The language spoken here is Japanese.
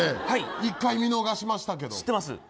１回見逃しましたけど。